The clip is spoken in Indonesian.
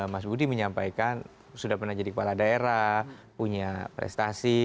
mas budi menyampaikan sudah pernah jadi kepala daerah punya prestasi